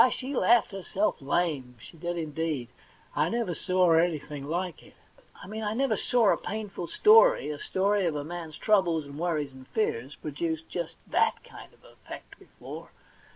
Why, she laughed herself lame, she did indeed ; I never saw anything like it. I mean I never saw a painful story — a story of a person's troubles and worries and fears— produce just that kind of effect before.